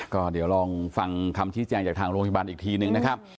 ก็เดี๋ยวลองฟังคำชี้แจงจากทางโรงพยาบาลอีกทีนึงนะครับ